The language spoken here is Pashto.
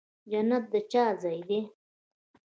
جنت د چا ځای دی؟